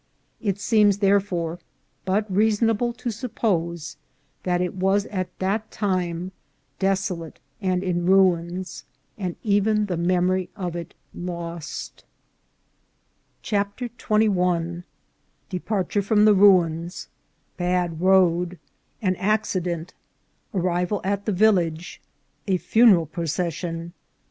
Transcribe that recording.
It seems, therefore, but reasonable to suppose that it was at that time desolate and in ruins, and even the memory of it lost. 358 INCIDENTS OP TRAVJBL CHAPTER XXL Departure from the Ruins.— Bad Road.— An Accident.— Arrival at the Village. — A Funeral Procession.